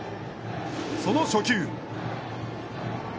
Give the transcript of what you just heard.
その初球。